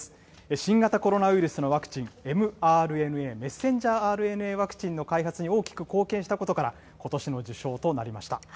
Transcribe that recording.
新型コロナウイルスのワクチン、ｍＲＮＡ、メッセンジャーＲＮＡワクチンの開発に大きく貢献したことから、ことしの受賞となりました。